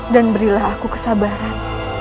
dan berilah aku kesabaran